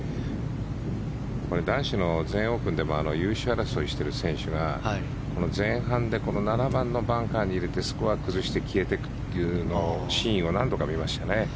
男子の全英オープンでも優勝争いしている選手がこの前半で７番のバンカーに入れてスコアを崩して消えていくというシーンを何度か見ましたね。